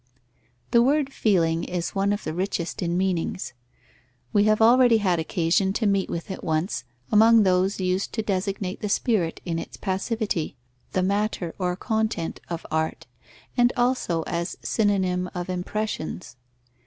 _ The word "feeling" is one of the richest in meanings. We have already had occasion to meet with it once, among those used to designate the spirit in its passivity, the matter or content of art, and also as synonym of impressions.